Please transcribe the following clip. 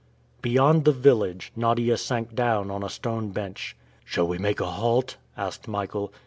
Beyond the village, Nadia sank down on a stone bench. "Shall we make a halt?" asked Michael.